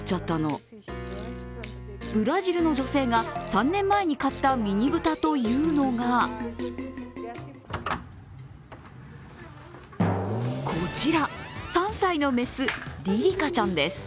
ブラジルの女性が３年前に買ったミニブタというのがこちら、３歳の雌、リリカちゃんです